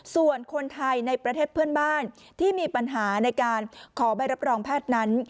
ส่วนคนไทยในประเทศเพื่อนบ้านที่มีปัญหาในการขอใบรับรองแพทย์นั้น